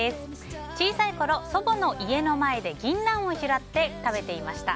小さいころ、祖母の家の前で銀杏を拾って食べていました。